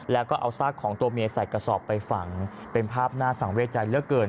แล้วก็เอาซากของตัวเมียใส่กระสอบไปฝังเป็นภาพน่าสังเวทใจเหลือเกิน